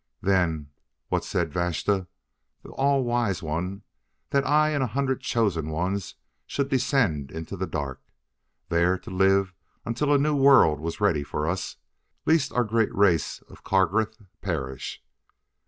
"Then, what said Vashta, the All Wise One? That I and a hundred chosen ones should descend into the dark, there to live until a new world was ready for us, lest our great race of Krargh perish."